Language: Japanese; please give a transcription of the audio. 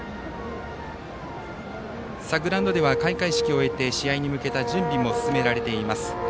グラウンドでは開会式を終え試合に向けた準備も進められています。